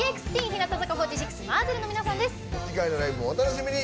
次回のライブもお楽しみに。